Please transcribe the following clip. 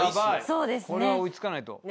これは追いつかないと。